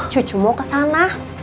cucu mau kesana